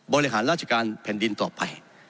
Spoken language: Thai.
บริหารราชการแผ่นดินต่อไป